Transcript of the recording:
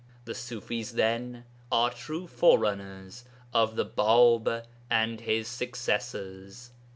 The Ṣufis, then, are true forerunners of the Bāb and his successors.